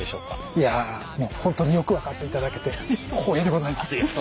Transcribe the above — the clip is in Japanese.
いやもう本当によく分かっていただけて光栄でございます。